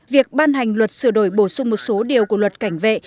việc ban hành luật sửa đổi bổ sung một số điều của luật cảnh vệ